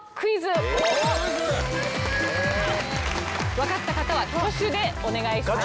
わかった方は挙手でお願いします。